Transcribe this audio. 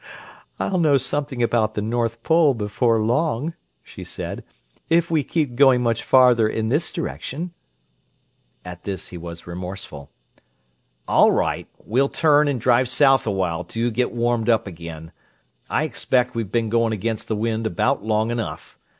"I'll know something about the North Pole before long," she said, "if we keep going much farther in this direction!" At this he was remorseful. "All right, we'll turn, and drive south awhile till you get warmed up again. I expect we have been going against the wind about long enough.